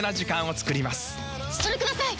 それください！